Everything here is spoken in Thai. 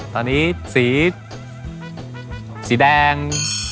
ตอนนี้สีสีแดง